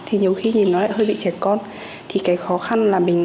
thì nhiều khi nhìn nó lại hơi bị trẻ con